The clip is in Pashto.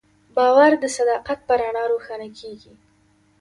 باور د صداقت په رڼا روښانه کېږي.